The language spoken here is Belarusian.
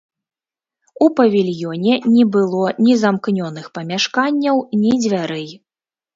У павільёне не было ні замкнёных памяшканняў, ні дзвярэй.